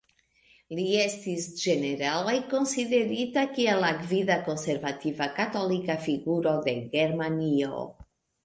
Li estis ĝenerale konsiderita kiel la gvida konservativa katolika figuro de Germanio.